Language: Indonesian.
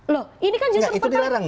loh ini kan justru dilarang